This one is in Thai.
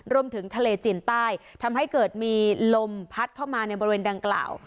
รวมถึงทะเลจีนใต้ทำให้เกิดมีลมพัดเข้ามาในบริเวณดังกล่าว